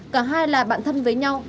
cả hai là bạn thân với nhau